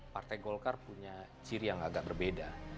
partai golkar punya ciri yang agak berbeda